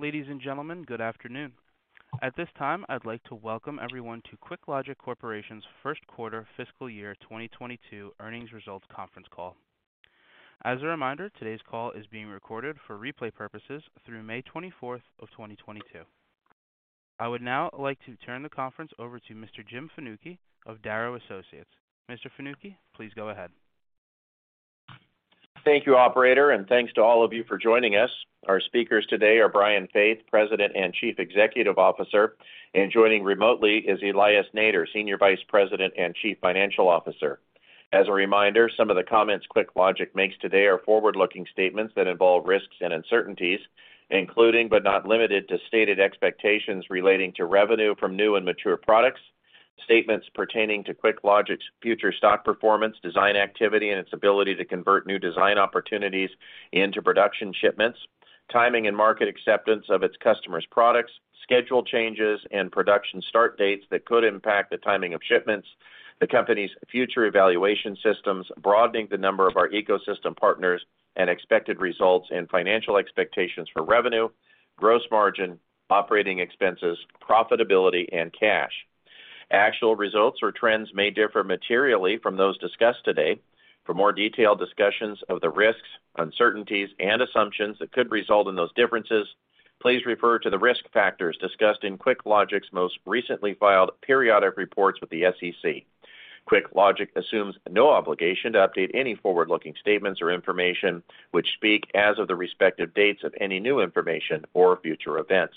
Ladies and gentlemen, good afternoon. At this time, I'd like to welcome everyone to QuickLogic Corporation's first quarter fiscal year 2022 earnings results conference call. As a reminder, today's call is being recorded for replay purposes through May 24, 2022. I would now like to turn the conference over to Mr. Jim Fanucchi of Darrow Associates. Mr. Fanucchi, please go ahead. Thank you, operator, and thanks to all of you for joining us. Our speakers today are Brian Faith, President and Chief Executive Officer, and joining remotely is Elias Nader, Senior Vice President and Chief Financial Officer. As a reminder, some of the comments QuickLogic makes today are forward-looking statements that involve risks and uncertainties, including, but not limited to stated expectations relating to revenue from new and mature products, statements pertaining to QuickLogic's future stock performance, design activity, and its ability to convert new design opportunities into production shipments, timing and market acceptance of its customers' products, schedule changes and production start dates that could impact the timing of shipments, the company's future evaluation systems, broadening the number of our ecosystem partners, and expected results and financial expectations for revenue, gross margin, operating expenses, profitability, and cash. Actual results or trends may differ materially from those discussed today. For more detailed discussions of the risks, uncertainties, and assumptions that could result in those differences, please refer to the risk factors discussed in QuickLogic's most recently filed periodic reports with the SEC. QuickLogic assumes no obligation to update any forward-looking statements or information which speak as of the respective dates of any new information or future events.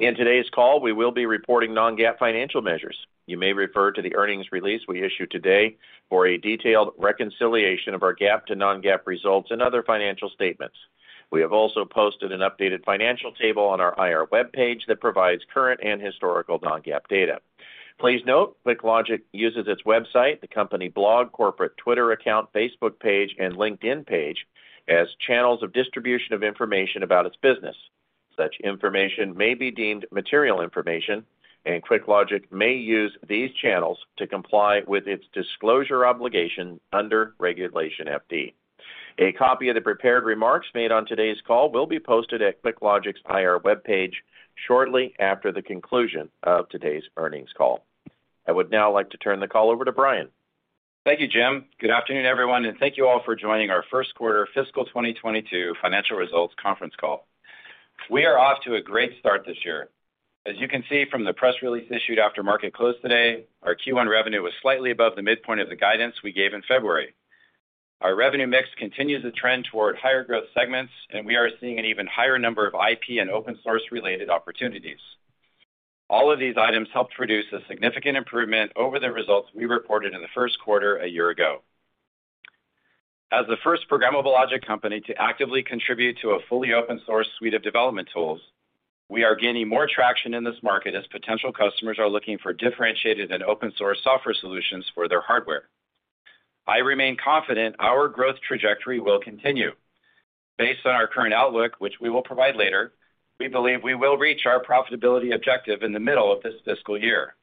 In today's call, we will be reporting non-GAAP financial measures. You may refer to the earnings release we issued today for a detailed reconciliation of our GAAP to non-GAAP results and other financial statements. We have also posted an updated financial table on our IR webpage that provides current and historical non-GAAP data. Please note, QuickLogic uses its website, the company blog, corporate Twitter account, Facebook page, and LinkedIn page as channels of distribution of information about its business. Such information may be deemed material information, and QuickLogic may use these channels to comply with its disclosure obligation under Regulation FD. A copy of the prepared remarks made on today's call will be posted at QuickLogic's IR webpage shortly after the conclusion of today's earnings call. I would now like to turn the call over to Brian. Thank you, Jim. Good afternoon, everyone, and thank you all for joining our first quarter fiscal 2022 financial results conference call. We are off to a great start this year. As you can see from the press release issued after market close today, our Q1 revenue was slightly above the midpoint of the guidance we gave in February. Our revenue mix continues to trend toward higher growth segments, and we are seeing an even higher number of IP and open source related opportunities. All of these items helped produce a significant improvement over the results we reported in the first quarter a year ago. As the first programmable logic company to actively contribute to a fully open source suite of development tools, we are gaining more traction in this market as potential customers are looking for differentiated and open source software solutions for their hardware. I remain confident our growth trajectory will continue. Based on our current outlook, which we will provide later, we believe we will reach our profitability objective in the middle of this fiscal year.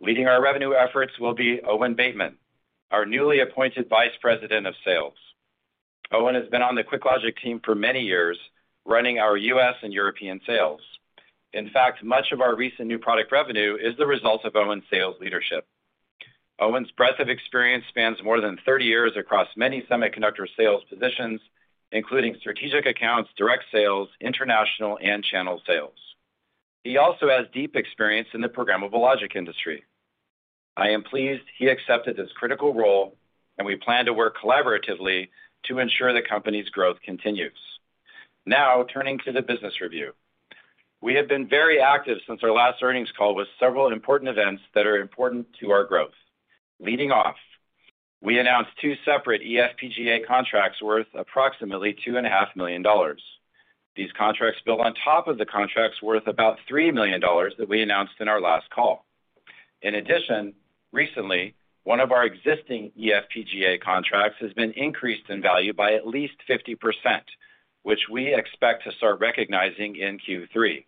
Leading our revenue efforts will be Owen Bateman, our newly appointed Vice President of Sales. Owen has been on the QuickLogic team for many years, running our U.S. and European sales. In fact, much of our recent new product revenue is the result of Owen's sales leadership. Owen's breadth of experience spans more than 30 years across many semiconductor sales positions, including strategic accounts, direct sales, international, and channel sales. He also has deep experience in the programmable logic industry. I am pleased he accepted this critical role, and we plan to work collaboratively to ensure the company's growth continues. Now, turning to the business review. We have been very active since our last earnings call with several important events that are important to our growth. Leading off, we announced two separate eFPGA contracts worth approximately $2.5 million. These contracts built on top of the contracts worth about $3 million that we announced in our last call. In addition, recently, one of our existing eFPGA contracts has been increased in value by at least 50%, which we expect to start recognizing in Q3.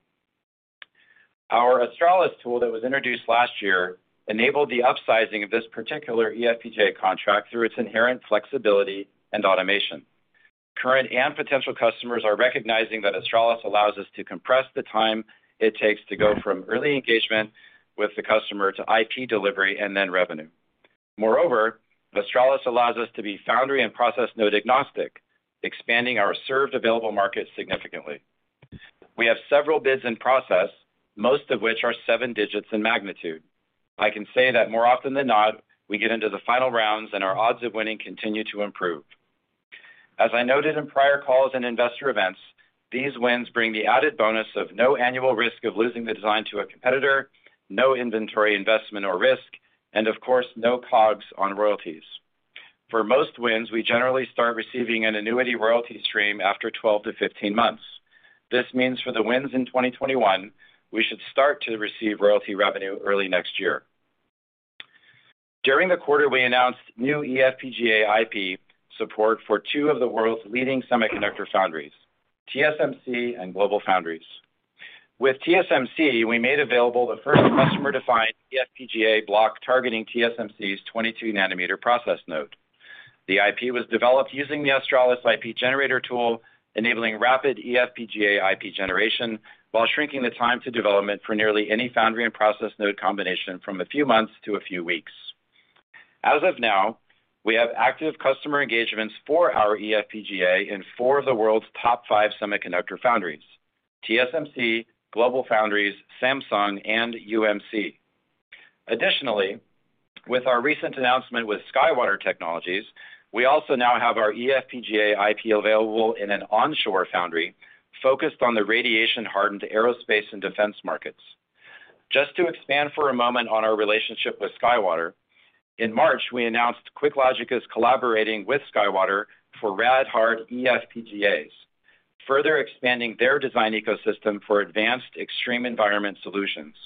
Our Australis tool that was introduced last year enabled the upsizing of this particular eFPGA contract through its inherent flexibility and automation. Current and potential customers are recognizing that Australis allows us to compress the time it takes to go from early engagement with the customer to IP delivery and then revenue. Moreover, Australis allows us to be foundry and process node agnostic, expanding our served available market significantly. We have several bids in process, most of which are seven digits in magnitude. I can say that more often than not, we get into the final rounds and our odds of winning continue to improve. As I noted in prior calls and investor events, these wins bring the added bonus of no annual risk of losing the design to a competitor, no inventory investment or risk, and of course, no COGS on royalties. For most wins, we generally start receiving an annuity royalty stream after 12-15 months. This means for the wins in 2021, we should start to receive royalty revenue early next year. During the quarter, we announced new eFPGA IP support for two of the world's leading semiconductor foundries, TSMC and GlobalFoundries. With TSMC, we made available the first customer-defined eFPGA block targeting TSMC's 22 nm process node. The IP was developed using the Australis IP generator tool, enabling rapid eFPGA IP generation while shrinking the time to development for nearly any foundry and process node combination from a few months to a few weeks. As of now, we have active customer engagements for our eFPGA in four of the world's top five semiconductor foundries, TSMC, GlobalFoundries, Samsung, and UMC. Additionally, with our recent announcement with SkyWater Technology, we also now have our eFPGA IP available in an onshore foundry focused on the radiation-hardened aerospace and defense markets. Just to expand for a moment on our relationship with SkyWater, in March, we announced QuickLogic is collaborating with SkyWater for Rad-Hard eFPGAs, further expanding their design ecosystem for advanced extreme environment solutions.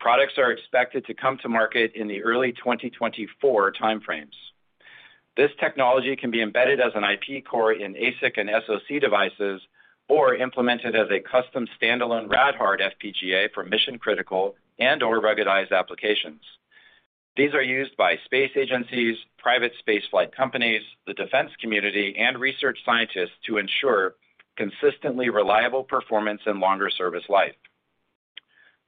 Products are expected to come to market in the early 2024 time frames. This technology can be embedded as an IP core in ASIC and SoC devices or implemented as a custom stand-alone rad-hard FPGA for mission-critical and/or ruggedized applications. These are used by space agencies, private space flight companies, the defense community, and research scientists to ensure consistently reliable performance and longer service life.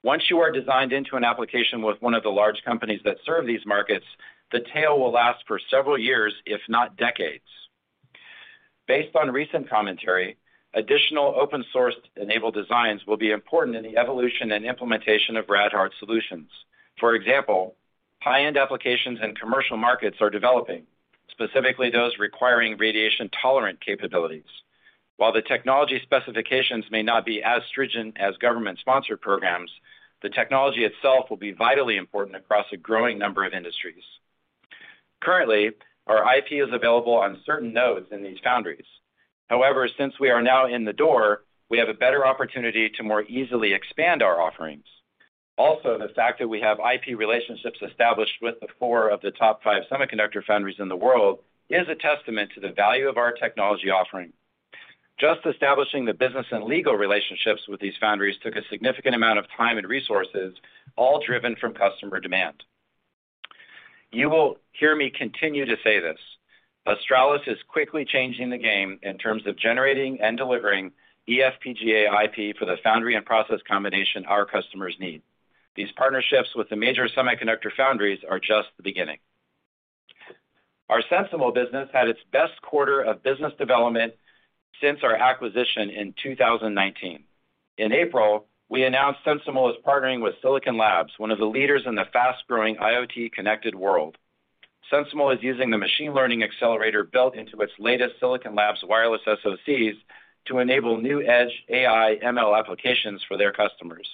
Once you are designed into an application with one of the large companies that serve these markets, the tail will last for several years, if not decades. Based on recent commentary, additional open-sourced enabled designs will be important in the evolution and implementation of Rad-Hard solutions. For example, high-end applications and commercial markets are developing, specifically those requiring radiation-tolerant capabilities. While the technology specifications may not be as stringent as government-sponsored programs, the technology itself will be vitally important across a growing number of industries. Currently, our IP is available on certain nodes in these foundries. However, since we are now in the door, we have a better opportunity to more easily expand our offerings. Also, the fact that we have IP relationships established with the four of the top five semiconductor foundries in the world is a testament to the value of our technology offering. Just establishing the business and legal relationships with these foundries took a significant amount of time and resources, all driven from customer demand. You will hear me continue to say this. Australis is quickly changing the game in terms of generating and delivering eFPGA IP for the foundry and process combination our customers need. These partnerships with the major semiconductor foundries are just the beginning. Our SensiML business had its best quarter of business development since our acquisition in 2019. In April, we announced SensiML is partnering with Silicon Labs, one of the leaders in the fast-growing IoT connected world. SensiML is using the machine learning accelerator built into its latest Silicon Labs wireless SoCs to enable new edge AI/ML applications for their customers.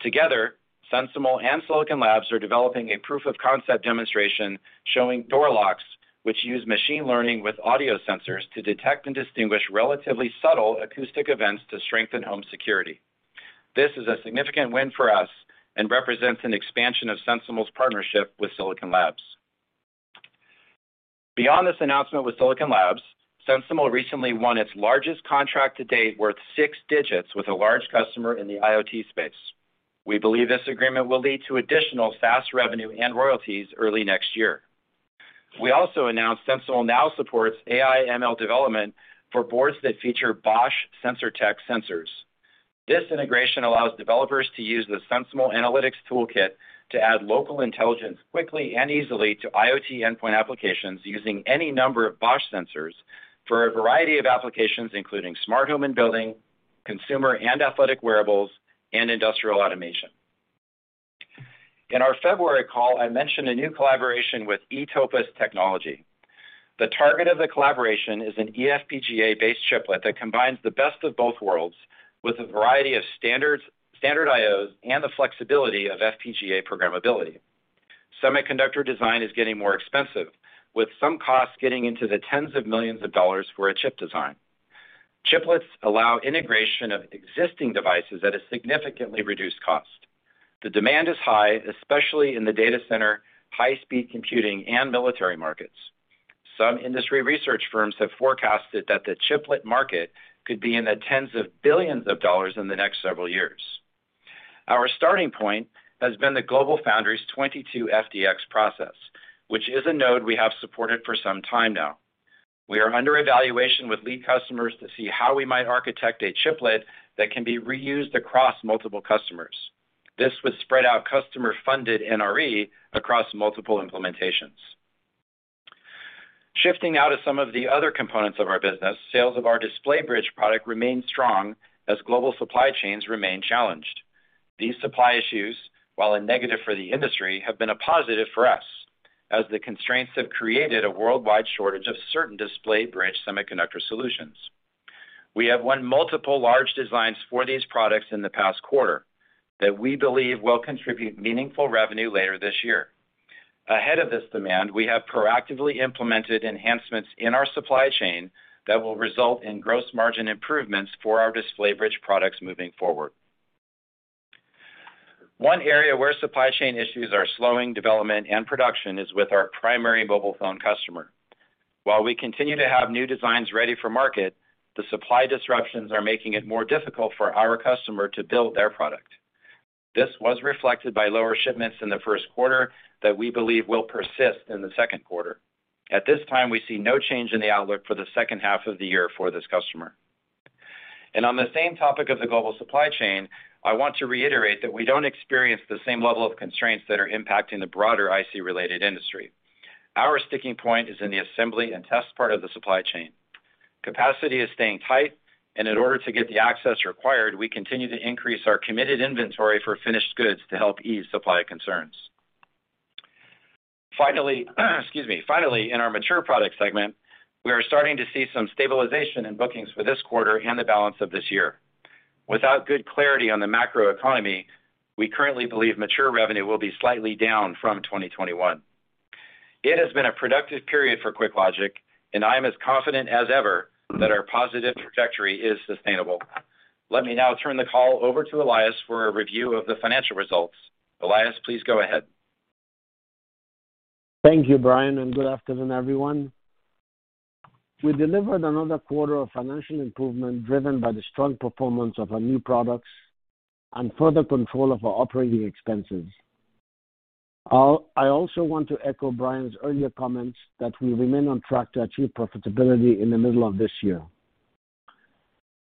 Together, SensiML and Silicon Labs are developing a proof of concept demonstration showing door locks which use machine learning with audio sensors to detect and distinguish relatively subtle acoustic events to strengthen home security. This is a significant win for us and represents an expansion of SensiML's partnership with Silicon Labs. Beyond this announcement with Silicon Labs, SensiML recently won its largest contract to date worth six digits with a large customer in the IoT space. We believe this agreement will lead to additional SaaS revenue and royalties early next year. We also announced SensiML now supports AI/ML development for boards that feature Bosch Sensortec sensors. This integration allows developers to use the SensiML Analytics Toolkit to add local intelligence quickly and easily to IoT endpoint applications using any number of Bosch sensors for a variety of applications, including smart home and building, consumer and athletic wearables, and industrial automation. In our February call, I mentioned a new collaboration with eTopus Technology. The target of the collaboration is an eFPGA-based chiplet that combines the best of both worlds with a variety of standards, standard IOs and the flexibility of FPGA programmability. Semiconductor design is getting more expensive, with some costs getting into the $10s millions for a chip design. Chiplets allow integration of existing devices at a significantly reduced cost. The demand is high, especially in the data center, high-speed computing, and military markets. Some industry research firms have forecasted that the chiplet market could be in the $10s billions in the next several years. Our starting point has been the GlobalFoundries' 22FDX process, which is a node we have supported for some time now. We are under evaluation with lead customers to see how we might architect a chiplet that can be reused across multiple customers. This would spread out customer-funded NRE across multiple implementations. Shifting now to some of the other components of our business, sales of our display bridge product remain strong as global supply chains remain challenged. These supply issues, while a negative for the industry, have been a positive for us as the constraints have created a worldwide shortage of certain display bridge semiconductor solutions. We have won multiple large designs for these products in the past quarter that we believe will contribute meaningful revenue later this year. Ahead of this demand, we have proactively implemented enhancements in our supply chain that will result in gross margin improvements for our display bridge products moving forward. One area where supply chain issues are slowing development and production is with our primary mobile phone customer. While we continue to have new designs ready for market, the supply disruptions are making it more difficult for our customer to build their product. This was reflected by lower shipments in the first quarter that we believe will persist in the second quarter. At this time, we see no change in the outlook for the second half of the year for this customer. On the same topic of the global supply chain, I want to reiterate that we don't experience the same level of constraints that are impacting the broader IC-related industry. Our sticking point is in the assembly and test part of the supply chain. Capacity is staying tight, and in order to get the access required, we continue to increase our committed inventory for finished goods to help ease supply concerns. Finally, in our mature product segment, we are starting to see some stabilization in bookings for this quarter and the balance of this year. Without good clarity on the macroeconomy, we currently believe mature revenue will be slightly down from 2021. It has been a productive period for QuickLogic, and I am as confident as ever that our positive trajectory is sustainable. Let me now turn the call over to Elias for a review of the financial results. Elias, please go ahead. Thank you, Brian, and good afternoon, everyone. We delivered another quarter of financial improvement driven by the strong performance of our new products and further control of our operating expenses. I also want to echo Brian's earlier comments that we remain on track to achieve profitability in the middle of this year.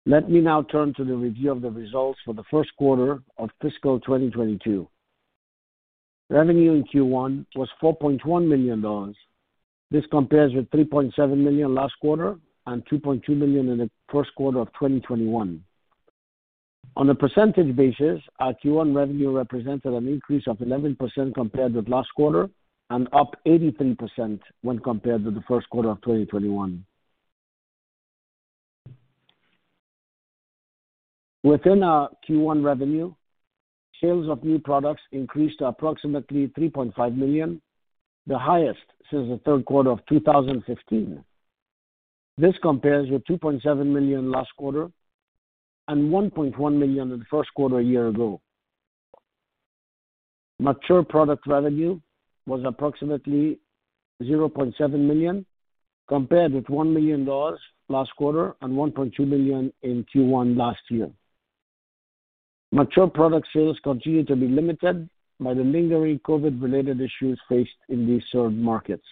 Let me now turn to the review of the results for the first quarter of fiscal 2022. Revenue in Q1 was $4.1 million. This compares with $3.7 million last quarter and $2.2 million in the first quarter of 2021. On a percentage basis, our Q1 revenue represented an increase of 11% compared with last quarter and up 83% when compared with the first quarter of 2021. Within our Q1 revenue, sales of new products increased to approximately $3.5 million, the highest since the third quarter of 2015. This compares with $2.7 million last quarter and $1.1 million in the first quarter a year ago. Mature product revenue was approximately $0.7 million, compared with $1 million last quarter and $1.2 million in Q1 last year. Mature product sales continue to be limited by the lingering COVID-related issues faced in these served markets.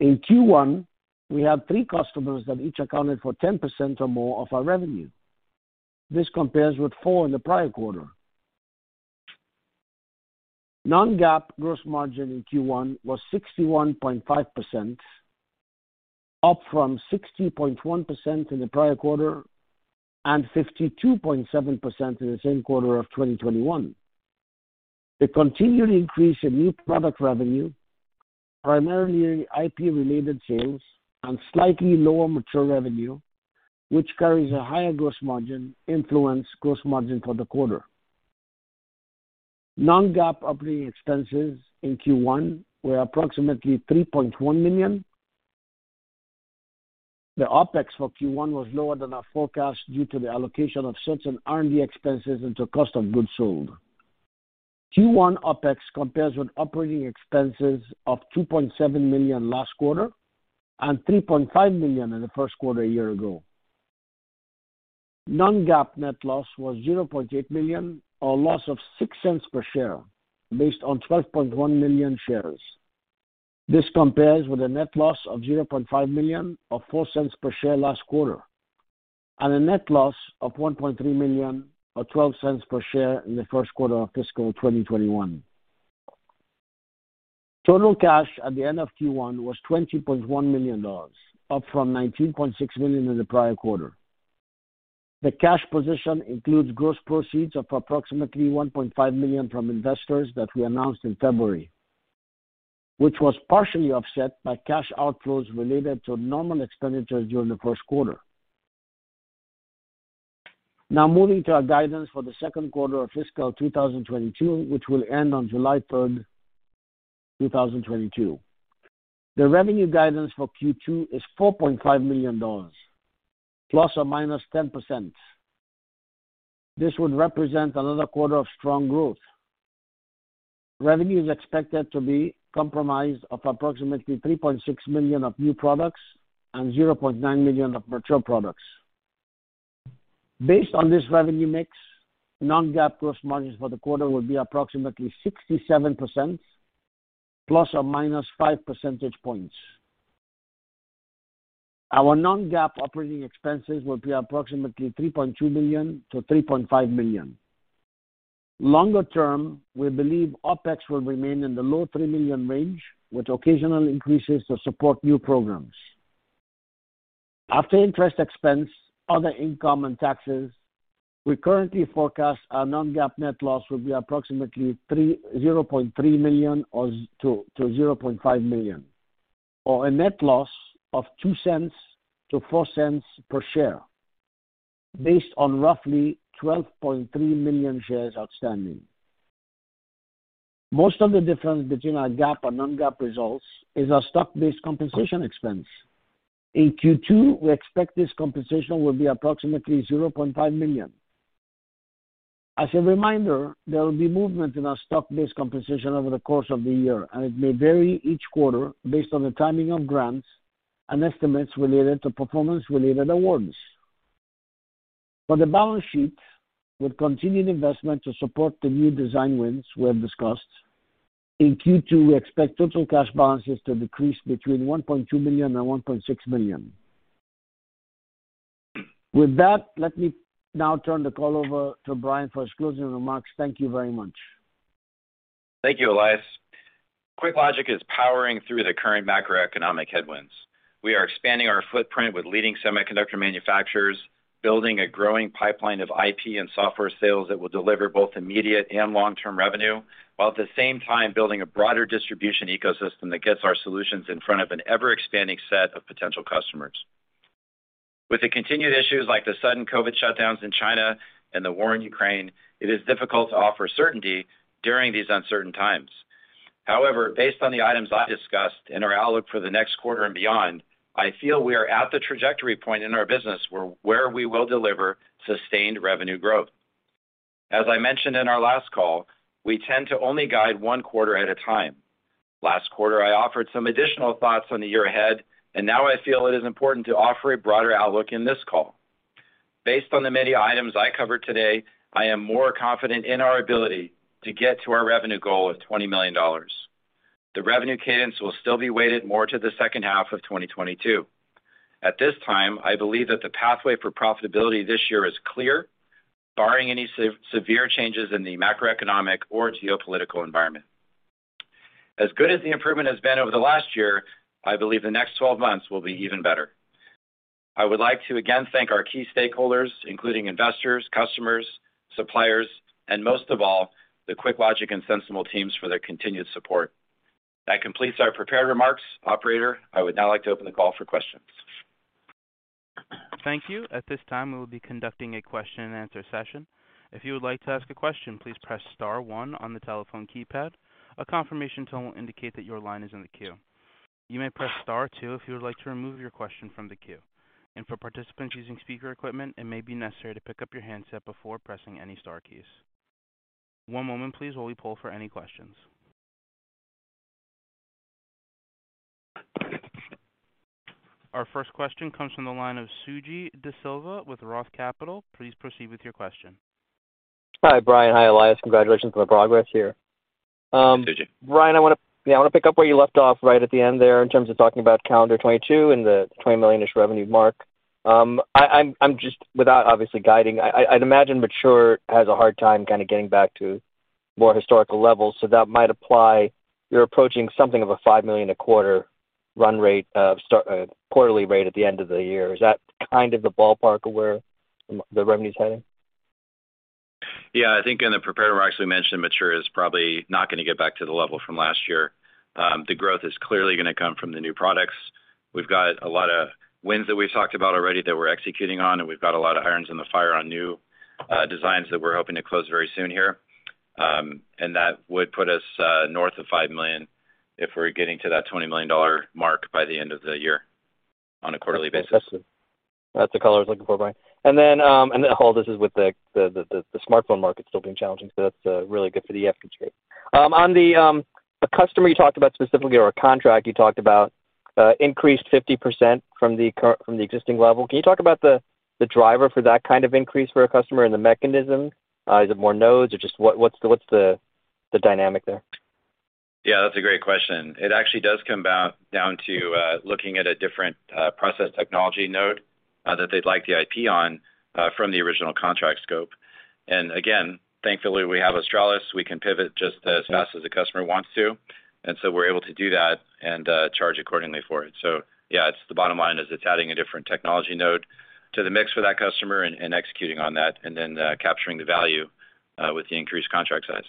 In Q1, we had three customers that each accounted for 10% or more of our revenue. This compares with four in the prior quarter. Non-GAAP gross margin in Q1 was 61.5%, up from 60.1% in the prior quarter and 52.7% in the same quarter of 2021. The continuing increase in new product revenue, primarily IP-related sales and slightly lower mature revenue, which carries a higher gross margin, influenced gross margin for the quarter. non-GAAP operating expenses in Q1 were approximately $3.1 million. The OpEx for Q1 was lower than our forecast due to the allocation of certain R&D expenses into cost of goods sold. Q1 OpEx compares with operating expenses of $2.7 million last quarter and $3.5 million in the first quarter a year ago. non-GAAP net loss was $0.8 million or a loss of $0.06 per share based on 12.1 million shares. This compares with a net loss of $0.5 million or $0.04 per share last quarter, and a net loss of $1.3 million or $0.12 per share in the first quarter of fiscal 2021. Total cash at the end of Q1 was $20.1 million, up from $19.6 million in the prior quarter. The cash position includes gross proceeds of approximately $1.5 million from investors that we announced in February, which was partially offset by cash outflows related to normal expenditures during the first quarter. Now moving to our guidance for the second quarter of fiscal 2022, which will end on July 3, 2022. The revenue guidance for Q2 is $4.5 million ±10%. This would represent another quarter of strong growth. Revenue is expected to be comprised of approximately $3.6 million of new products and $0.9 million of mature products. Based on this revenue mix, non-GAAP gross margins for the quarter will be approximately 67% ±5 percentage points. Our non-GAAP operating expenses will be approximately $3.2 million-$3.5 million. Longer term, we believe OpEx will remain in the low $3 million range with occasional increases to support new programs. After interest expense, other income, and taxes, we currently forecast our non-GAAP net loss will be approximately $0.3 million-$0.5 million, or a net loss of $0.02-$0.04 per share based on roughly 12.3 million shares outstanding. Most of the difference between our GAAP and non-GAAP results is our stock-based compensation expense. In Q2, we expect this compensation will be approximately $0.5 million. As a reminder, there will be movement in our stock-based compensation over the course of the year, and it may vary each quarter based on the timing of grants and estimates related to performance-related awards. For the balance sheet, with continued investment to support the new design wins we have discussed, in Q2, we expect total cash balances to decrease between $1.2 million and $1.6 million. With that, let me now turn the call over to Brian for his closing remarks. Thank you very much. Thank you, Elias. QuickLogic is powering through the current macroeconomic headwinds. We are expanding our footprint with leading semiconductor manufacturers, building a growing pipeline of IP and software sales that will deliver both immediate and long-term revenue, while at the same time building a broader distribution ecosystem that gets our solutions in front of an ever-expanding set of potential customers. With the continued issues like the sudden COVID shutdowns in China and the war in Ukraine, it is difficult to offer certainty during these uncertain times. However, based on the items I discussed in our outlook for the next quarter and beyond, I feel we are at the trajectory point in our business where we will deliver sustained revenue growth. As I mentioned in our last call, we tend to only guide one quarter at a time. Last quarter, I offered some additional thoughts on the year ahead, and now I feel it is important to offer a broader outlook in this call. Based on the many items I covered today, I am more confident in our ability to get to our revenue goal of $20 million. The revenue cadence will still be weighted more to the second half of 2022. At this time, I believe that the pathway for profitability this year is clear, barring any severe changes in the macroeconomic or geopolitical environment. As good as the improvement has been over the last year, I believe the next 12 months will be even better. I would like to again thank our key stakeholders, including investors, customers, suppliers, and most of all, the QuickLogic and SensiML teams for their continued support. That completes our prepared remarks. Operator, I would now like to open the call for questions. Thank you. At this time, we will be conducting a question and answer session. If you would like to ask a question, please press star one on the telephone keypad. A confirmation tone will indicate that your line is in the queue. You may press star two if you would like to remove your question from the queue. For participants using speaker equipment, it may be necessary to pick up your handset before pressing any star keys. One moment please, while we poll for any questions. Our first question comes from the line of Suji Desilva with Roth Capital. Please proceed with your question. Hi, Brian. Hi, Elias. Congratulations on the progress here. Suji. Brian, I wanna pick up where you left off right at the end there in terms of talking about calendar 2022 and the $20 million-ish revenue mark. I'm just, without obviously guiding, I'd imagine mature has a hard time kinda getting back to more historical levels, so that might apply. You're approaching something of a $5 million a quarter run rate, a quarterly rate at the end of the year. Is that kind of the ballpark of where the revenue's heading? Yeah. I think in the prepared remarks we mentioned mature is probably not gonna get back to the level from last year. The growth is clearly gonna come from the new products. We've got a lot of wins that we've talked about already that we're executing on, and we've got a lot of irons in the fire on new designs that we're hoping to close very soon here. That would put us north of $5 million if we're getting to that $20 million mark by the end of the year on a quarterly basis. That's the color I was looking for, Brian. All this is with the smartphone market still being challenging, so that's really good for the eFPGA. On the customer you talked about specifically or a contract you talked about, increased 50% from the existing level. Can you talk about the driver for that kind of increase for a customer and the mechanism? Is it more nodes or just what's the dynamic there? Yeah, that's a great question. It actually does come down to looking at a different process technology node that they'd like the IP on from the original contract scope. Again, thankfully, we have Australis. We can pivot just as fast as the customer wants to, and so we're able to do that and charge accordingly for it. Yeah, the bottom line is it's adding a different technology node to the mix for that customer and executing on that and then capturing the value with the increased contract size.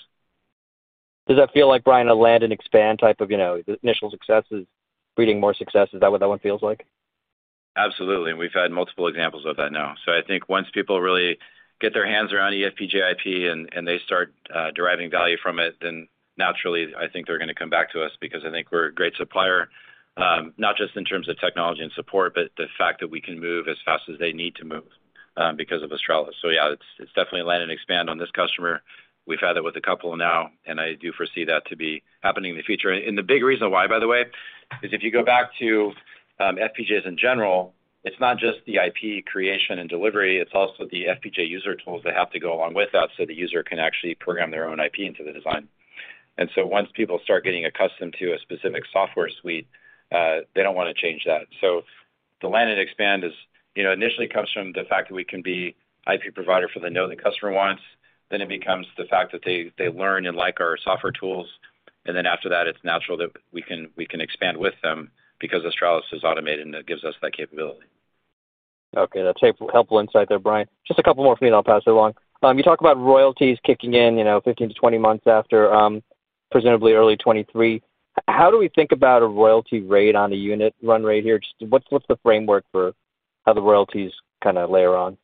Does that feel like, Brian, a land and expand type of, you know, the initial success is breeding more success? Is that what that one feels like? Absolutely. We've had multiple examples of that now. I think once people really get their hands around eFPGA IP and they start deriving value from it, then naturally, I think they're gonna come back to us because I think we're a great supplier, not just in terms of technology and support, but the fact that we can move as fast as they need to move, because of Australis. Yeah, it's definitely land and expand on this customer. We've had it with a couple now, and I do foresee that to be happening in the future. The big reason why, by the way, is if you go back to FPGAs in general, it's not just the IP creation and delivery, it's also the FPGA user tools that have to go along with that so the user can actually program their own IP into the design. Once people start getting accustomed to a specific software suite, they don't wanna change that. The land and expand is, you know, initially comes from the fact that we can be IP provider for the node the customer wants. Then it becomes the fact that they learn and like our software tools. After that, it's natural that we can expand with them because Australis is automated, and it gives us that capability. Okay. That's helpful insight there, Brian. Just a couple more for me, and I'll pass it along. You talk about royalties kicking in, you know, 15-20 months after, presumably early 2023. How do we think about a royalty rate on a unit run rate here? Just what's the framework for how the royalties kinda layer on?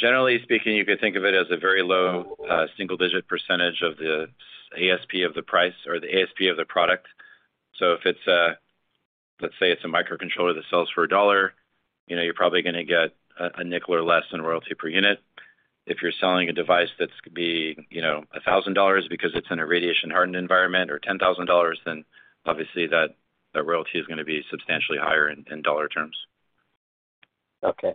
Generally speaking, you could think of it as a very low, single-digit % of the ASP of the price or the ASP of the product. Let's say it's a microcontroller that sells for $1, you know, you're probably gonna get a nickel or less in royalty per unit. If you're selling a device that could be, you know, $1,000 because it's in a radiation-hardened environment or $10,000, then obviously that royalty is gonna be substantially higher in dollar terms. Okay.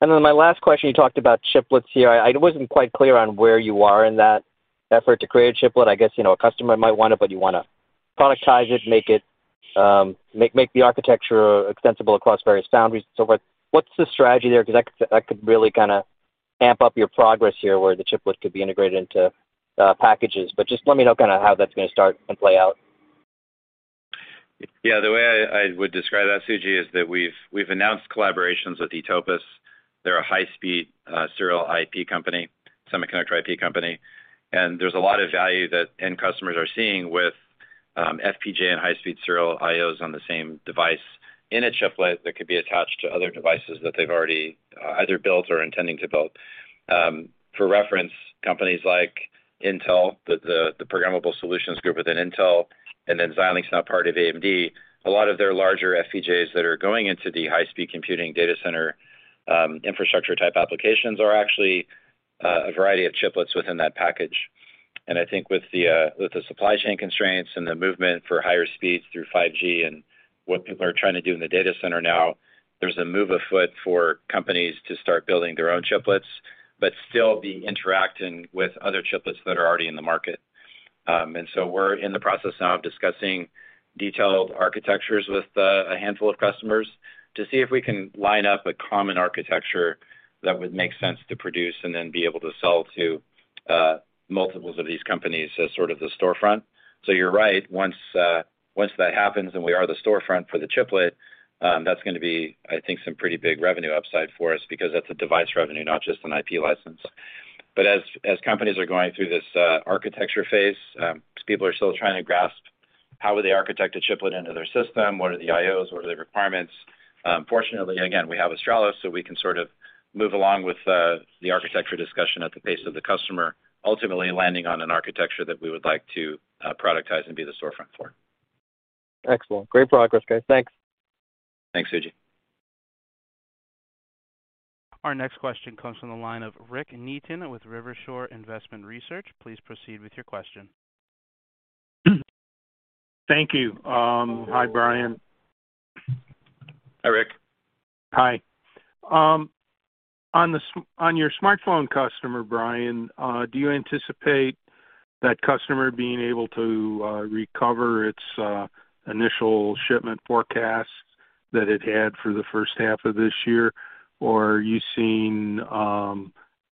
My last question, you talked about chiplets here. I wasn't quite clear on where you are in that effort to create a chiplet. I guess, you know, a customer might want it, but you wanna productize it, make the architecture extensible across various foundries and so forth. What's the strategy there? 'Cause that could really kinda amp up your progress here, where the chiplets could be integrated into packages. Just let me know kinda how that's gonna start and play out. Yeah. The way I would describe that, Suji, is that we've announced collaborations with eTopus. They're a high-speed serial IP company, semiconductor IP company. There's a lot of value that end customers are seeing with FPGA and high-speed serial IOs on the same device in a chiplet that could be attached to other devices that they've already either built or intending to build. For reference, companies like Intel, the programmable solutions group within Intel and then Xilinx, now part of AMD, a lot of their larger FPGAs that are going into the high-speed computing data center infrastructure type applications are actually a variety of chiplets within that package. I think with the supply chain constraints and the movement for higher speeds through 5G and what people are trying to do in the data center now, there's a move afoot for companies to start building their own chiplets but still be interacting with other chiplets that are already in the market. We're in the process now of discussing detailed architectures with a handful of customers to see if we can line up a common architecture that would make sense to produce and then be able to sell to multiples of these companies as sort of the storefront. You're right. Once that happens and we are the storefront for the chiplet, that's gonna be, I think, some pretty big revenue upside for us because that's a device revenue, not just an IP license. As companies are going through this architecture phase, because people are still trying to grasp how would they architect a chiplet into their system, what are the IOs, what are the requirements? Fortunately, and again, we have Australis, so we can sort of move along with the architecture discussion at the pace of the customer, ultimately landing on an architecture that we would like to productize and be the storefront for. Excellent. Great progress, guys. Thanks. Thanks, Suji. Our next question comes from the line of Rick Neaton with Rivershore Investment Research. Please proceed with your question. Thank you. Hi, Brian. Hi, Rick. Hi. On your smartphone customer, Brian, do you anticipate that customer being able to recover its initial shipment forecasts that it had for the first half of this year? Or are you seeing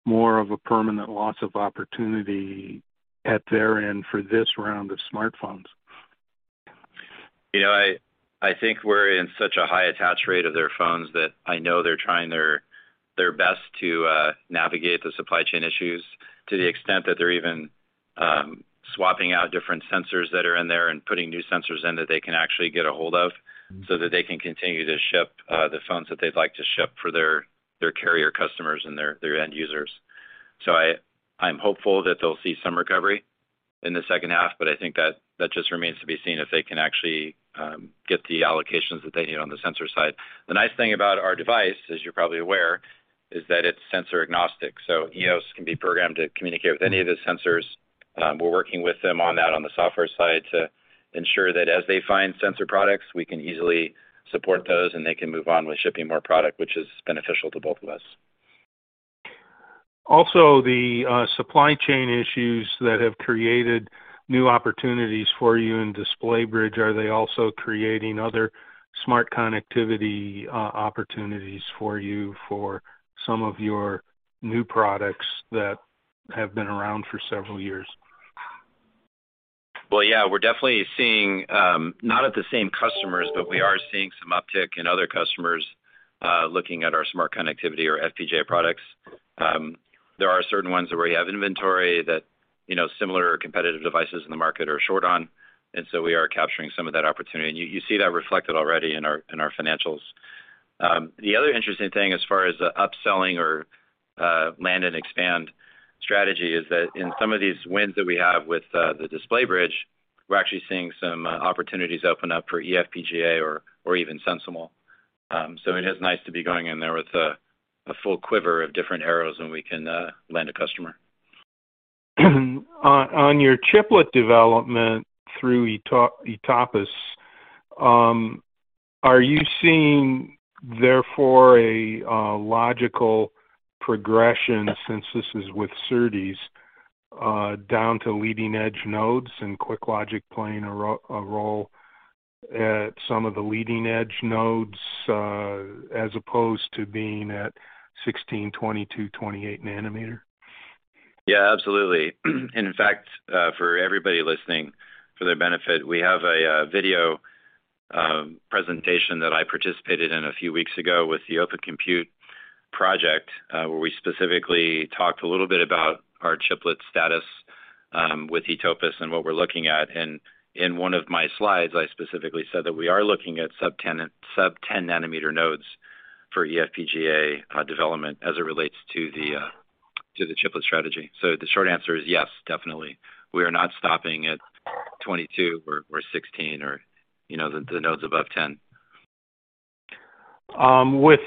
more of a permanent loss of opportunity at their end for this round of smartphones? You know, I think we're in such a high attach rate of their phones that I know they're trying their best to navigate the supply chain issues to the extent that they're even swapping out different sensors that are in there and putting new sensors in that they can actually get ahold of, so that they can continue to ship the phones that they'd like to ship for their carrier customers and their end users. I'm hopeful that they'll see some recovery in the second half, but I think that just remains to be seen if they can actually get the allocations that they need on the sensor side. The nice thing about our device, as you're probably aware, is that it's sensor agnostic. IOs can be programmed to communicate with any of the sensors. We're working with them on that on the software side to ensure that as they find sensor products, we can easily support those, and they can move on with shipping more product, which is beneficial to both of us. Also, the supply chain issues that have created new opportunities for you in display bridge, are they also creating other smart connectivity opportunities for you for some of your new products that have been around for several years? Well, yeah. We're definitely seeing not at the same customers, but we are seeing some uptick in other customers looking at our smart connectivity or FPGA products. There are certain ones where we have inventory that, you know, similar competitive devices in the market are short on, and so we are capturing some of that opportunity. You see that reflected already in our financials. The other interesting thing as far as the upselling or land and expand strategy is that in some of these wins that we have with the display bridge, we're actually seeing some opportunities open up for eFPGA or even SensiML. It is nice to be going in there with a full quiver of different arrows when we can land a customer. On your chiplet development through eTopus, are you seeing therefore a logical progression since this is with SerDes down to leading-edge nodes and QuickLogic playing a role at some of the leading-edge nodes as opposed to being at 16 nm, 22 nm, 28 nm? Yeah, absolutely. In fact, for everybody listening, for their benefit, we have a video presentation that I participated in a few weeks ago with the Open Compute Project, where we specifically talked a little bit about our chiplet status with eTopus and what we're looking at. In one of my slides, I specifically said that we are looking at sub-10 nm nodes for eFPGA development as it relates to the chiplet strategy. The short answer is yes, definitely. We are not stopping at 22 nm or 16 nm or, you know, the nodes above 10 nm. With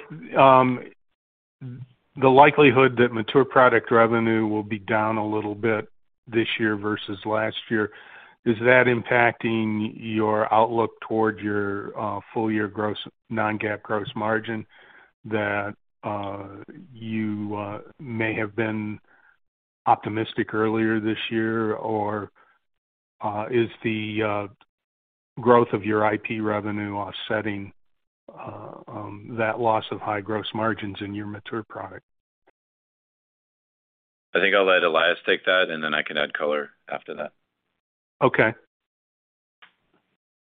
the likelihood that mature product revenue will be down a little bit this year versus last year, is that impacting your outlook toward your full year non-GAAP gross margin that you may have been optimistic earlier this year? Is the growth of your IP revenue offsetting that loss of high gross margins in your mature product? I think I'll let Elias take that, and then I can add color after that. Okay.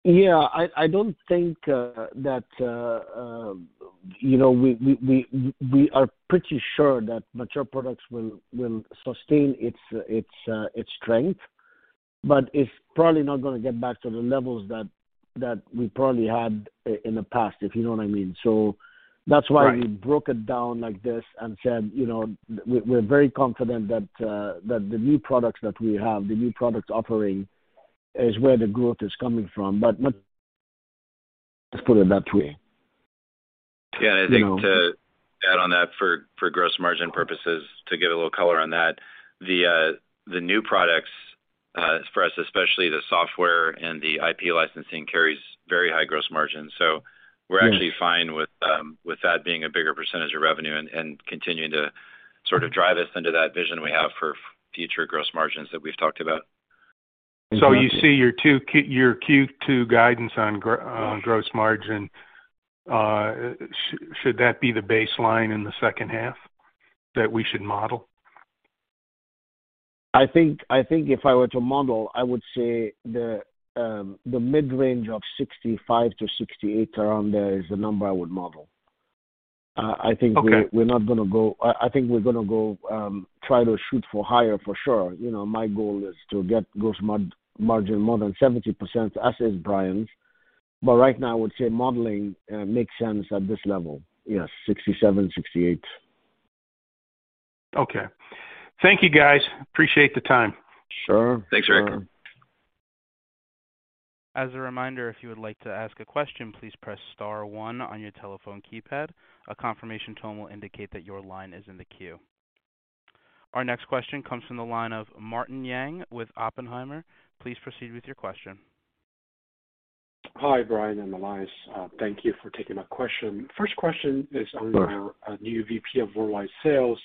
Yeah. I don't think that, you know, we are pretty sure that mature products will sustain its strength, but it's probably not gonna get back to the levels that we probably had in the past, if you know what I mean. So that's why. Right. We broke it down like this and said, you know, we're very confident that the new products that we have, the new product offering, is where the growth is coming from. Let's put it that way. You know? Yeah. I think to add on that for gross margin purposes, to give a little color on that, the new products for us, especially the software and the IP licensing, carries very high gross margin. So we're actually- Yes. -fine with that being a bigger percentage of revenue and continuing to sort of drive us into that vision we have for future gross margins that we've talked about. You see your Q2 guidance on- Yes. -on gross margin. Should that be the baseline in the second half that we should model? I think if I were to model, I would say the mid-range of 65%-68%, around there is the number I would model. Okay. I think we're gonna go try to shoot for higher for sure. You know, my goal is to get gross margin more than 70%, as is Brian's. Right now I would say modeling makes sense at this level. Yes. 67%-68%. Okay. Thank you, guys. Appreciate the time. Sure. Thanks, Rick. As a reminder, if you would like to ask a question, please press star one on your telephone keypad. A confirmation tone will indicate that your line is in the queue. Our next question comes from the line of Martin Yang with Oppenheimer. Please proceed with your question. Hi, Brian and Elias. Thank you for taking my question. First question is on your- Sure. -new VP of worldwide sales.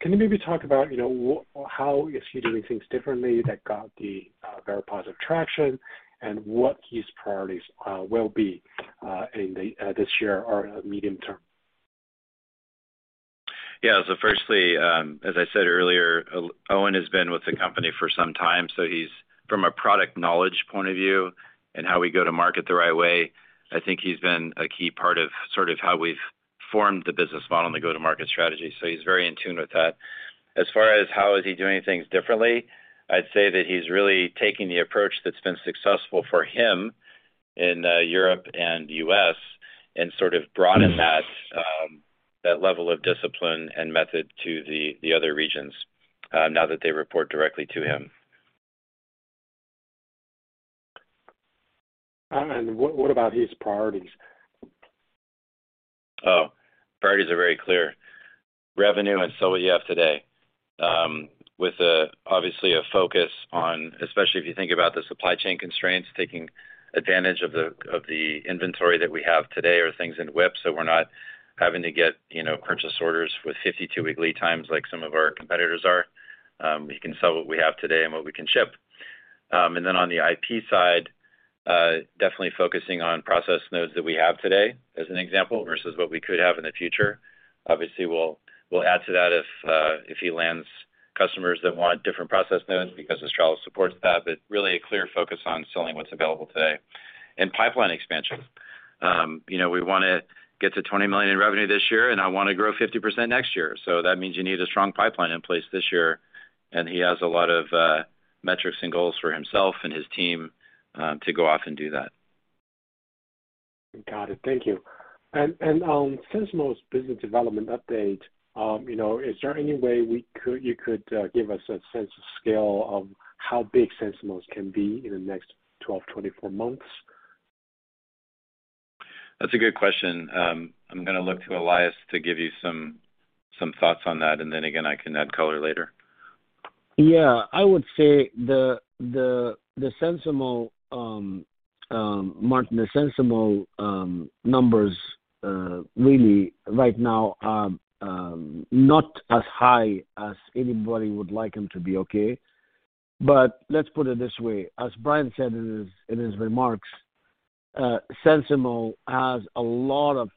Can you maybe talk about, you know, how is he doing things differently that got the very positive traction and what his priorities will be in this year or medium term? Yeah. Firstly, as I said earlier, Owen has been with the company for some time, so he's from a product knowledge point of view and how we go to market the right way. I think he's been a key part of sort of how we've formed the business model and the go-to-market strategy. He's very in tune with that. As far as how is he doing things differently, I'd say that he's really taking the approach that's been successful for him in Europe and U.S. and sort of brought in that level of discipline and method to the other regions now that they report directly to him. What about his priorities? Priorities are very clear. Revenue and sell what you have today, with obviously a focus on, especially if you think about the supply chain constraints, taking advantage of the inventory that we have today or things in WIP, so we're not having to get, you know, purchase orders with 52 week lead times like some of our competitors are. We can sell what we have today and what we can ship. And then on the IP side, definitely focusing on process nodes that we have today as an example versus what we could have in the future. Obviously, we'll add to that if he lands customers that want different process nodes because Australis supports that, but really a clear focus on selling what's available today. Pipeline expansion. You know, we wanna get to $20 million in revenue this year, and I wanna grow 50% next year. That means you need a strong pipeline in place this year, and he has a lot of metrics and goals for himself and his team to go off and do that. Got it. Thank you. On SensiML's business development update, you know, is there any way you could give us a sense of scale of how big SensiML can be in the next 12-24 months? That's a good question. I'm gonna look to Elias to give you some thoughts on that, and then again, I can add color later. Yeah. I would say the SensiML, Martin, the SensiML numbers really right now are not as high as anybody would like them to be, okay? But let's put it this way. As Brian said in his remarks, SensiML has a lot of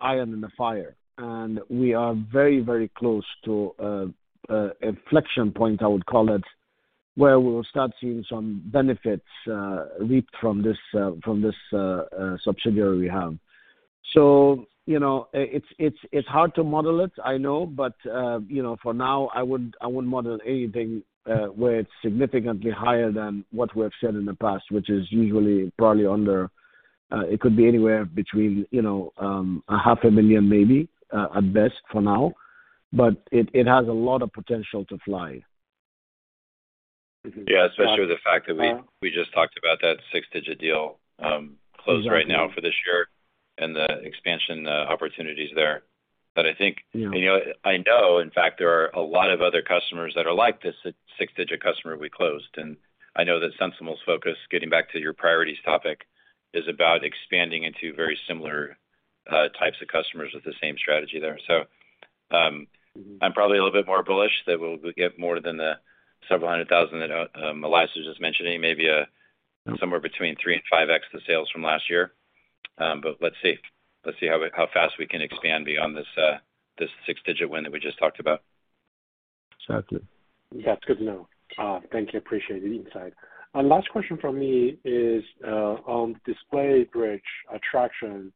iron in the fire, and we are very close to an inflection point, I would call it, where we will start seeing some benefits reaped from this subsidiary we have. You know, it's hard to model it, I know. You know, for now, I wouldn't model anything where it's significantly higher than what we've said in the past, which is usually probably under it could be anywhere between, you know, half a million maybe at best for now. But it has a lot of potential to fly. Yeah. Especially with the fact that we just talked about that six-digit deal closed right now for this year and the expansion opportunities there. I think. Yeah. You know, I know, in fact, there are a lot of other customers that are like this six-digit customer we closed, and I know that SensiML's focus, getting back to your priorities topic, is about expanding into very similar types of customers with the same strategy there. I'm probably a little bit more bullish that we'll get more than the several hundred thousand that Elias was just mentioning, maybe somewhere between 3x-5x the sales from last year. But let's see how fast we can expand beyond this six-digit win that we just talked about. Exactly. That's good to know. Thank you. Appreciate the insight. Last question from me is, you know, on Display Bridge traction,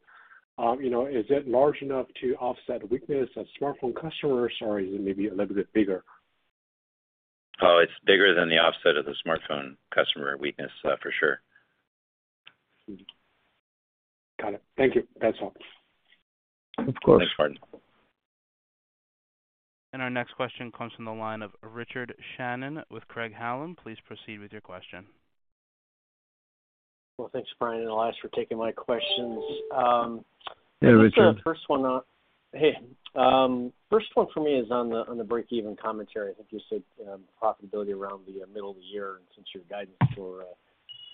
is it large enough to offset weakness of smartphone customers, or is it maybe a little bit bigger? Oh, it's bigger than the offset of the smartphone customer weakness, for sure. Got it. Thank you. That's all. Of course. Thanks, Martin. Our next question comes from the line of Richard Shannon with Craig-Hallum. Please proceed with your question. Well, thanks, Brian and Elias, for taking my questions. Hey, Richard. First one for me is on the break-even commentary. I think you said profitability around the middle of the year. Since your guidance for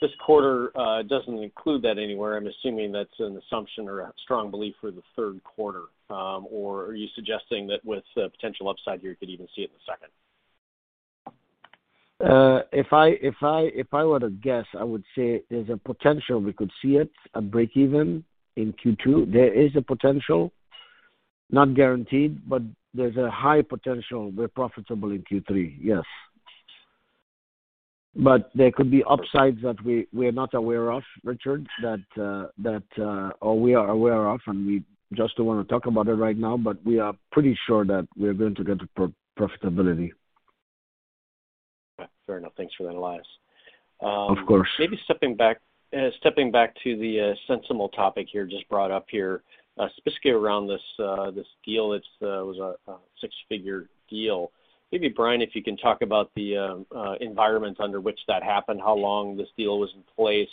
this quarter doesn't include that anywhere, I'm assuming that's an assumption or a strong belief for the third quarter. Are you suggesting that with potential upside here, you could even see it in the second? If I were to guess, I would say there's a potential we could see it, a breakeven, in Q2. There is a potential, not guaranteed, but there's a high potential we're profitable in Q3, yes. There could be upsides that we're not aware of, Richard, that or we are aware of, and we just don't wanna talk about it right now, but we are pretty sure that we're going to get to profitability. Fair enough. Thanks for that, Elias. Of course. Maybe stepping back to the SensiML topic here, just brought up here, specifically around this deal. It was a six-figure deal. Maybe, Brian, if you can talk about the environment under which that happened, how long this deal was in place,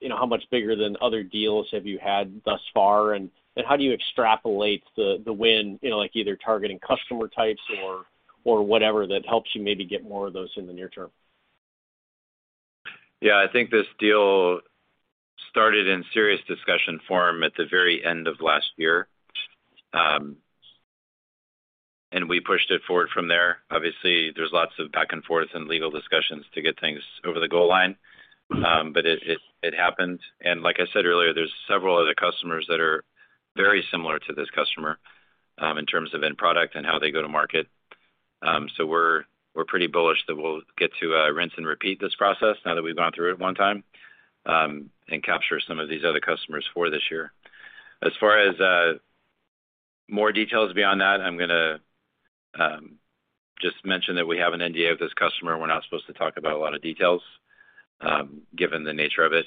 you know, how much bigger than other deals have you had thus far, and how do you extrapolate the win, you know, like either targeting customer types or whatever that helps you maybe get more of those in the near term? Yeah. I think this deal started in serious discussion form at the very end of last year. We pushed it forward from there. Obviously, there's lots of back and forth and legal discussions to get things over the goal line. It happened. Like I said earlier, there's several other customers that are very similar to this customer in terms of end product and how they go to market. We're pretty bullish that we'll get to rinse and repeat this process now that we've gone through it one time and capture some of these other customers for this year. As far as more details beyond that, I'm gonna just mention that we have an NDA with this customer. We're not supposed to talk about a lot of details given the nature of it.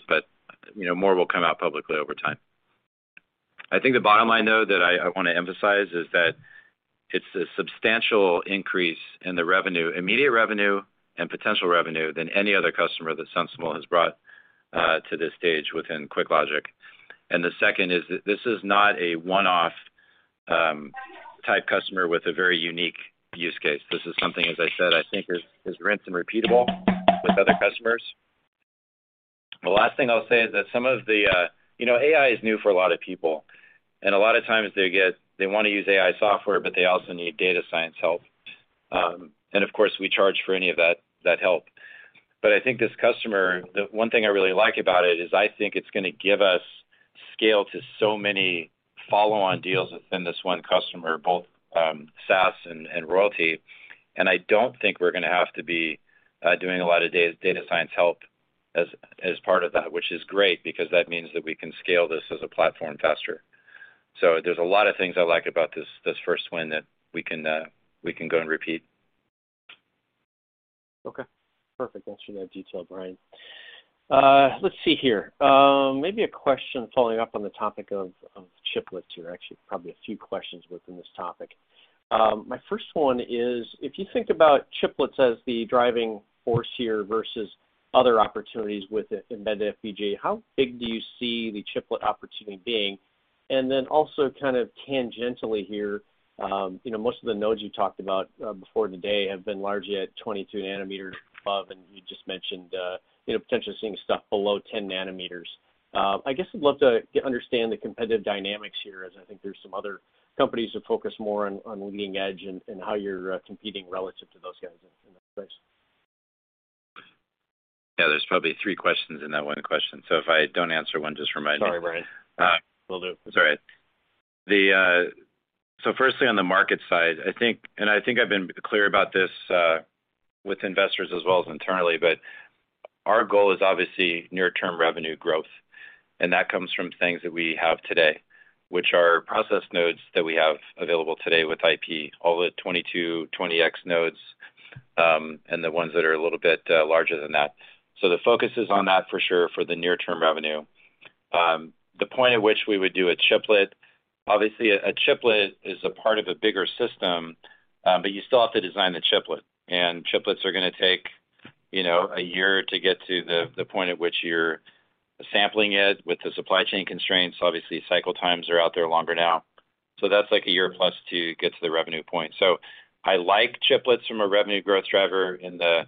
You know, more will come out publicly over time. I think the bottom line, though, that I wanna emphasize is that it's a substantial increase in the revenue, immediate revenue and potential revenue than any other customer that SensiML has brought to this stage within QuickLogic. The second is this is not a one-off type customer with a very unique use case. This is something, as I said, I think is rinse and repeatable with other customers. The last thing I'll say is that some of the. You know, AI is new for a lot of people, and a lot of times they get they wanna use AI software, but they also need data science help. Of course, we charge for any of that help. I think this customer, the one thing I really like about it is I think it's gonna give us scale to so many follow-on deals within this one customer, both SaaS and royalty. I don't think we're gonna have to be doing a lot of data science help as part of that, which is great because that means that we can scale this as a platform faster. There's a lot of things I like about this first win that we can go and repeat. Okay. Perfect. Thanks for that detail, Brian. Let's see here. Maybe a question following up on the topic of chiplets here. Actually, probably a few questions within this topic. My first one is, if you think about chiplets as the driving force here versus other opportunities with the embedded FPGA, how big do you see the chiplet opportunity being? Also kind of tangentially here, you know, most of the nodes you talked about before today have been largely at 22 nm above, and you just mentioned, you know, potentially seeing stuff below 10 nm. I guess I'd love to understand the competitive dynamics here, as I think there's some other companies that focus more on leading edge and how you're competing relative to those guys in that space. Yeah. There's probably three questions in that one question, so if I don't answer one, just remind me. Sorry, Brian. Will do. That's all right. Firstly on the market side, I think, and I think I've been clear about this, with investors as well as internally, but our goal is obviously near-term revenue growth. That comes from things that we have today, which are process nodes that we have available today with IP, all the 22, 28 nodes, and the ones that are a little bit larger than that. The focus is on that for sure for the near-term revenue. The point at which we would do a chiplet, obviously a chiplet is a part of a bigger system, but you still have to design the chiplet. Chiplets are gonna take, you know, a year to get to the point at which you're sampling it with the supply chain constraints. Obviously, cycle times are out there longer now. That's like a year plus to get to the revenue point. I like chiplets from a revenue growth driver in the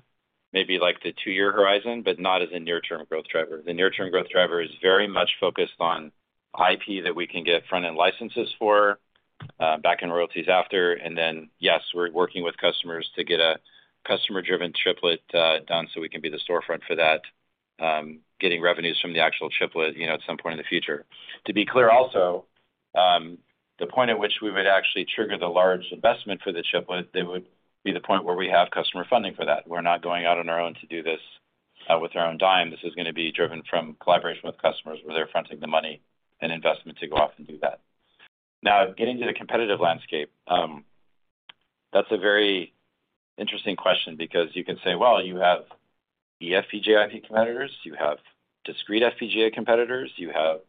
maybe like the two-year horizon, but not as a near-term growth driver. The near-term growth driver is very much focused on IP that we can get front-end licenses for, back-end royalties after. Yes, we're working with customers to get a customer-driven chiplet done, so we can be the storefront for that, getting revenues from the actual chiplet, you know, at some point in the future. To be clear also, the point at which we would actually trigger the large investment for the chiplet, it would be the point where we have customer funding for that. We're not going out on our own to do this with our own dime. This is gonna be driven from collaboration with customers, where they're fronting the money and investment to go off and do that. Now, getting to the competitive landscape, that's a very interesting question because you can say, well, you have eFPGA IP competitors, you have discrete FPGA competitors, you have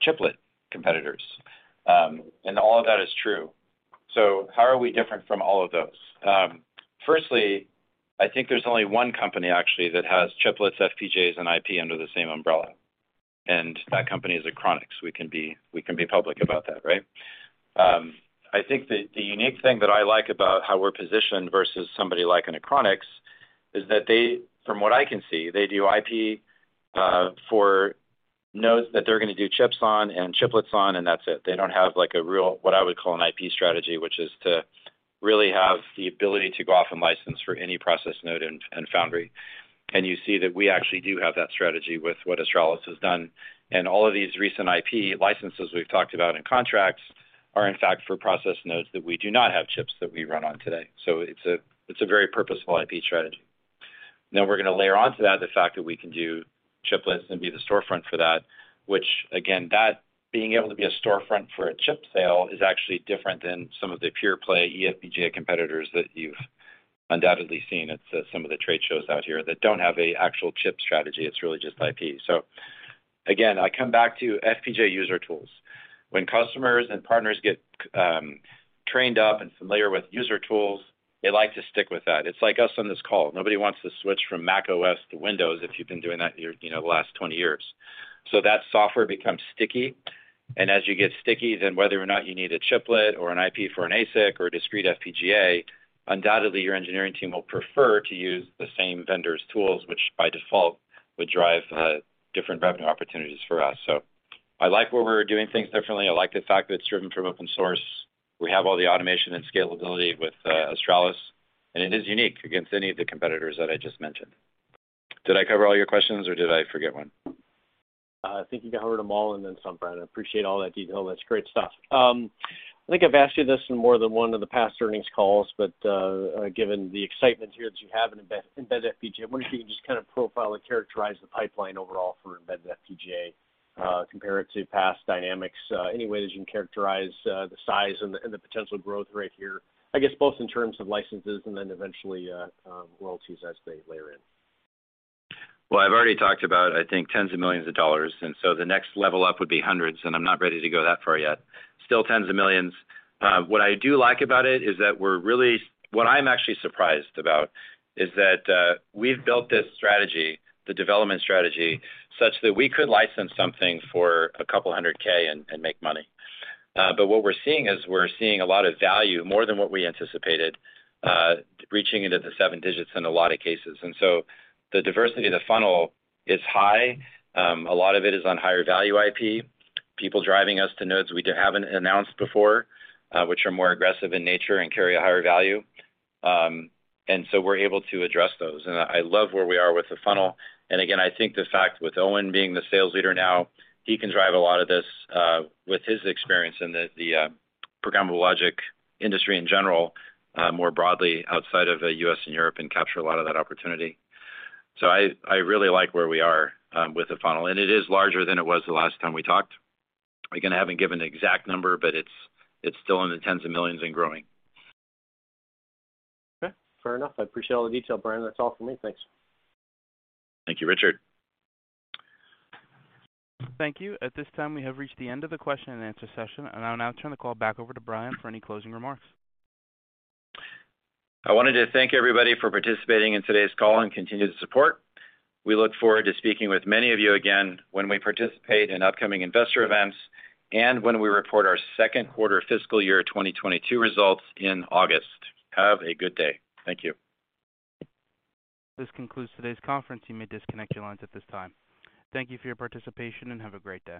chiplet competitors, and all of that is true. How are we different from all of those? Firstly, I think there's only one company actually that has chiplets, FPGAs, and IP under the same umbrella, and that company is Achronix. We can be public about that, right? I think the unique thing that I like about how we're positioned versus somebody like an Achronix is that they, from what I can see, do IP for nodes that they're gonna do chips on and chiplets on, and that's it. They don't have like a real, what I would call an IP strategy, which is to really have the ability to go off and license for any process node and foundry. You see that we actually do have that strategy with what Australis has done. All of these recent IP licenses we've talked about in contracts are in fact for process nodes that we do not have chips that we run on today. It's a very purposeful IP strategy. We're gonna layer onto that the fact that we can do chiplets and be the storefront for that, which again, that being able to be a storefront for a chip sale is actually different than some of the pure play eFPGA competitors that you've undoubtedly seen at some of the trade shows out here that don't have an actual chip strategy. It's really just IP. Again, I come back to FPGA user tools. When customers and partners get trained up and familiar with user tools, they like to stick with that. It's like us on this call. Nobody wants to switch from macOS to Windows if you've been doing that your, you know, the last 20 years. That software becomes sticky, and as you get sticky, then whether or not you need a chiplet or an IP for an ASIC or a discrete FPGA, undoubtedly your engineering team will prefer to use the same vendor's tools, which by default would drive different revenue opportunities for us. I like where we're doing things differently. I like the fact that it's driven from open source. We have all the automation and scalability with Australis, and it is unique against any of the competitors that I just mentioned. Did I cover all your questions or did I forget one? I think you covered them all and then some, Brian. I appreciate all that detail. That's great stuff. I think I've asked you this in more than one of the past earnings calls. Given the excitement here that you have in embedded FPGA, I wonder if you can just kind of profile or characterize the pipeline overall for embedded FPGA, compared to past dynamics. Any way that you can characterize the size and the potential growth rate here, I guess both in terms of licenses and then eventually royalties as they layer in. Well, I've already talked about, I think, $10s of millions, and so the next level up would be $100s of millions, and I'm not ready to go that far yet. Still $10s of millions. What I do like about it is that What I'm actually surprised about is that, we've built this strategy, the development strategy, such that we could license something for a couple 100,000 and make money. But what we're seeing is we're seeing a lot of value, more than what we anticipated, reaching into the seven digits in a lot of cases. The diversity of the funnel is high. A lot of it is on higher value IP, people driving us to nodes we haven't announced before, which are more aggressive in nature and carry a higher value. We're able to address those. I love where we are with the funnel. I think the fact with Owen being the sales leader now, he can drive a lot of this with his experience in the programmable logic industry in general, more broadly outside of the U.S. and Europe and capture a lot of that opportunity. I really like where we are with the funnel, and it is larger than it was the last time we talked. I haven't given the exact number, but it's still in the $10s millions and growing. Okay, fair enough. I appreciate all the detail, Brian. That's all for me. Thanks. Thank you, Richard. Thank you. At this time, we have reached the end of the question and answer session. I'll now turn the call back over to Brian for any closing remarks. I wanted to thank everybody for participating in today's call and continued support. We look forward to speaking with many of you again when we participate in upcoming investor events and when we report our second quarter fiscal year 2022 results in August. Have a good day. Thank you. This concludes today's conference. You may disconnect your lines at this time. Thank you for your participation and have a great day.